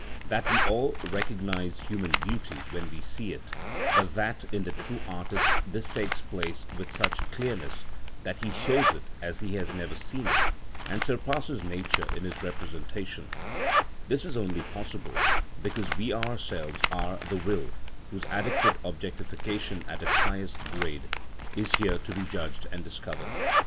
That we all recognise human beauty when we see it, but that in the true artist this takes place with such clearness that he shows it as he has never seen it, and surpasses nature in his representation; this is only possible because we ourselves are the will whose adequate objectification at its highest grade is here to be judged and discovered.